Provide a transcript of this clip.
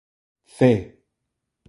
Cee.